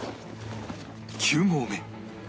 ９合目